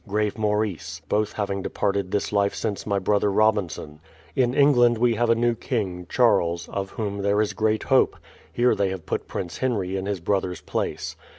Grave Maurice; both having departed this life since my brother Robinson. In England we have a new king, Charles, of whom there is great hope; here they have put Prince Henry in his brother's place.